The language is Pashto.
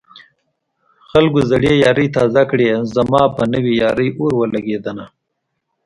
خلکو زړې يارۍ تازه کړې زما په نوې يارۍ اور ولګېدنه